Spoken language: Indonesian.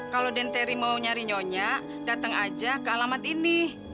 kalau denteri mau nyari nyonya datang aja ke alamat ini